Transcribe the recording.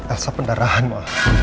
elsa pendarahan ma